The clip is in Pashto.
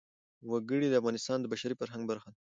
وګړي د افغانستان د بشري فرهنګ برخه ده.